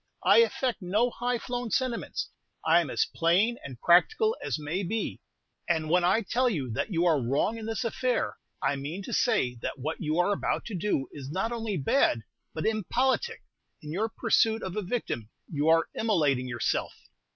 I affect no high flown sentiments. I am as plain and practical as may be; and when I tell you that you are wrong in this affair, I mean to say that what you are about to do is not only bad, but impolitic. In your pursuit of a victim, you are immolating yourself."